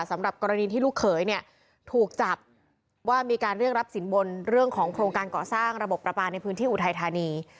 สำหรับกรณีที่ลูกเขยเนี่ยถูกจับว่ามีการเรียกรับสินบนเรื่องของโครงการก่อสร้างระบบประปาในพื้นที่อุทัยธานี